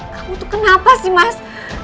kamu tuh kenapa sih mas